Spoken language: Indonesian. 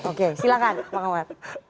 oke silakan pak komar